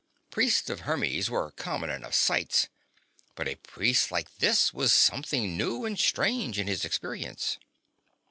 Priests of Hermes were common enough sights but a priest like this was something new and strange in his experience.